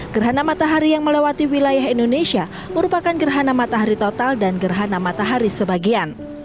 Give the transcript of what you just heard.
gerhana matahari yang melewati wilayah indonesia merupakan gerhana matahari total dan gerhana matahari sebagian